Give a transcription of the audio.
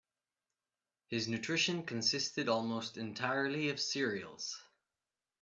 His nutrition consisted almost entirely of cereals.